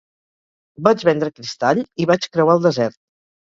Vaig vendre cristall i vaig creuar el desert.